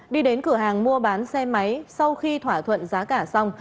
đi đến cửa hàng mua bán xe máy sau khi thỏa thuận giá cả xong